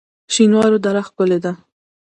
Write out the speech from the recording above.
شینوارو دره ښکلې ده؟